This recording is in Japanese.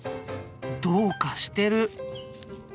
どうかしてる！